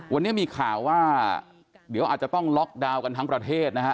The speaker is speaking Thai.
วันนี้มีข่าวว่าเดี๋ยวอาจจะต้องล็อกดาวน์กันทั้งประเทศนะฮะ